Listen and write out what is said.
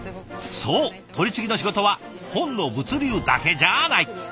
そう取り次ぎの仕事は本の物流だけじゃない！